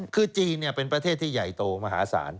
คือจีนเป็นประเทศที่ใหญ่โตมหาศาล